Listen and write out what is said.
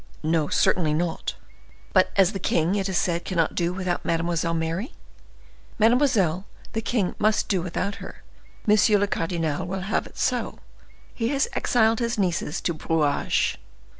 "No, certainly not." "But as the king, it is said, cannot do without Mademoiselle Mary?" "Mademoiselle, the king must do without her. M. le Cardinal will have it so. He has exiled his nieces to Brouage."